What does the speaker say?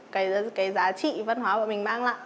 cái giá trị văn hóa bọn mình mang lại